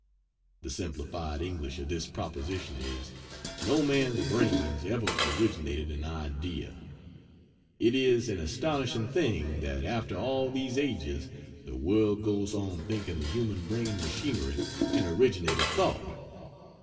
The simplified English of this proposition is "No man's brains ever originated an idea." It is an astonishing thing that after all these ages the world goes on thinking the human brain machinery can originate a thought.